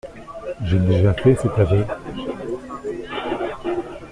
J'ai déjà fait cet aveu.